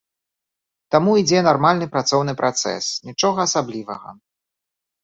Таму ідзе нармальны працоўны працэс, нічога асаблівага.